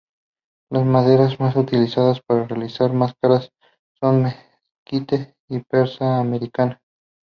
Las maderas más utilizadas para realizar máscaras son mezquite y Persea americana.